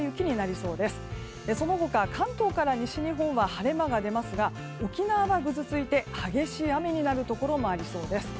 その他、関東から西日本は晴れ間が出ますが沖縄はぐずついて激しい雨になるところもありそうです。